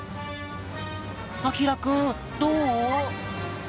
あきらくんどう？